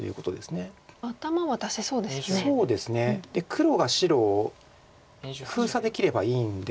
黒が白を封鎖できればいいんですが。